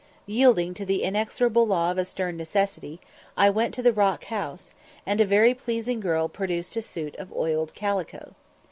Yielding to "the inexorable law of a stern necessity," I went to the Rock House, and a very pleasing girl produced a suit of oiled calico.